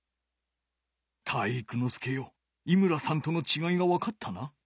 体育ノ介よ井村さんとのちがいがわかったな。